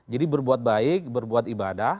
jadi berbuat baik berbuat ibadah